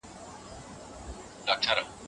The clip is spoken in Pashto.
که يار پښتون وي ما به نه خفه کوپنه